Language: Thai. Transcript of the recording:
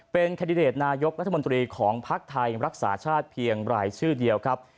เป็นแคนดิเดตนายกรัฐมนตรีของภักดิ์ไทยรักษาชาติเพียงรายชื่อเดียวครับ